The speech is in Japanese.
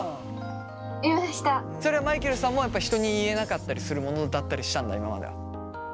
それはマイケルさんもやっぱ人に言えなかったりするものだったりしたんだ今までは。